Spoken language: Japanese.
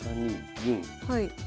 はい。